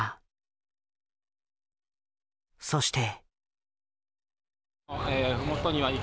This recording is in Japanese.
そして。